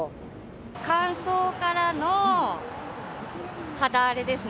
乾燥からの肌荒れですね。